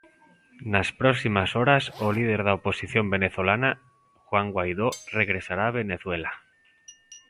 Nas próximas horas, o líder da oposición venezolana, Juan Guaidó, regresará a Venezuela.